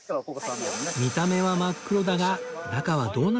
見た目は真っ黒だが中はどうなっているのか？